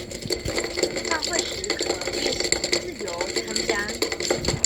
大會時可列席自由參加